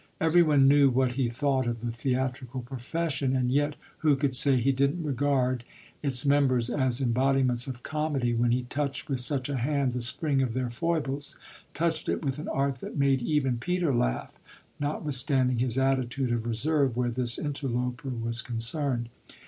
Every one knew what he thought of the theatrical profession, and yet who could say he didn't regard, its members as embodiments of comedy when he touched with such a hand the spring of their foibles? touched it with an art that made even Peter laugh, notwithstanding his attitude of reserve where this interloper was concerned.